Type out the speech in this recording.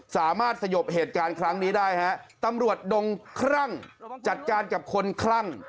สยบเหตุการณ์ครั้งนี้ได้ฮะตำรวจดงคลั่งจัดการกับคนคลั่ง